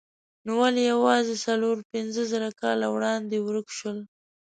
نو ولې یوازې څلور پنځه زره کاله وړاندې ورک شول؟